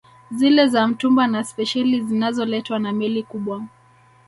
Zile za mtumba na spesheli zinazoletwa na Meli kubwa